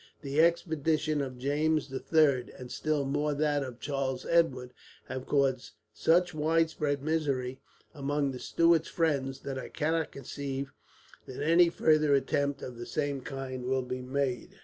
The expedition of James the Third, and still more that of Charles Edward, have caused such widespread misery among the Stuarts' friends that I cannot conceive that any further attempt of the same kind will be made.